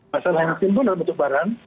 masalah yang timbul dalam bentuk barang